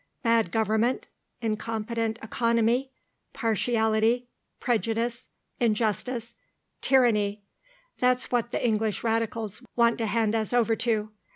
Bad government, incompetent economy, partiality, prejudice, injustice, tyranny that's what the English Radicals want to hand us over to.